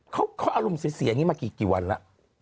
ควบคุมอารมณ์เสียนี้มากี่วันแหละ